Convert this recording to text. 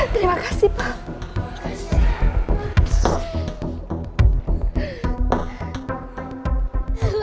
terima kasih pak